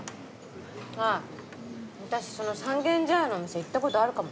あぁ私その三軒茶屋の店行ったことあるかも。